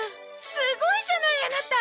すごいじゃないアナタ！